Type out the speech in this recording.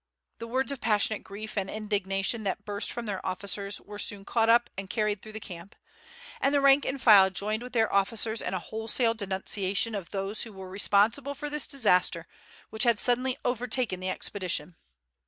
The words of passionate grief and indignation that burst from their officers were soon caught up and carried through the camp, and the rank and file joined with their officers in a wholesale denunciation of those who were responsible for this disaster which had suddenly overtaken the expedition.